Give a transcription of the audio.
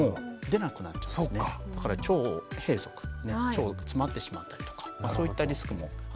だから腸閉塞腸が詰まってしまったりとかそういったリスクもあったり。